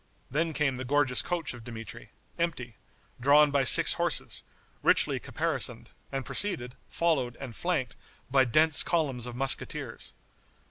Then came the gorgeous coach of Dmitri, empty, drawn by six horses, richly caparisoned, and preceded, followed and flanked by dense columns of musqueteers.